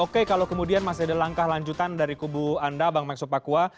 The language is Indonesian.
oke kalau kemudian masih ada langkah lanjutan dari kubu anda bang maxo pakua